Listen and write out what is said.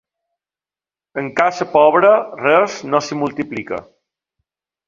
En casa pobra res no s'hi multiplica.